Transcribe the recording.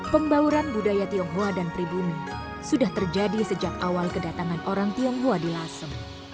pembauran budaya tionghoa dan pribumi sudah terjadi sejak awal kedatangan orang tionghoa di lasem